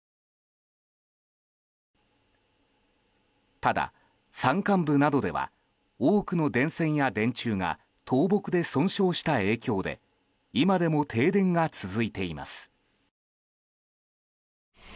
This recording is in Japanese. ただ、山間部などでは多くの電線や電柱が倒木で損傷した影響で今でも停電が続いています。